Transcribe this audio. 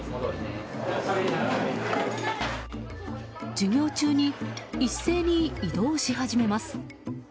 授業中に一斉に移動し始めます。